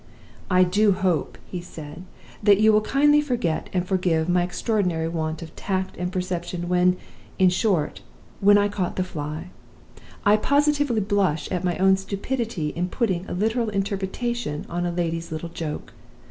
"'I do hope,' he said, 'that you will kindly forget and forgive my extraordinary want of tact and perception when in short, when I caught the fly. I positively blush at my own stupidity in putting a literal interpretation on a lady's little joke!